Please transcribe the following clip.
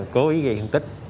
cố ý gây hình tích